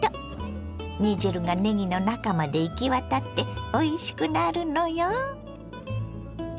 煮汁がねぎの中まで行き渡っておいしくなるのよ！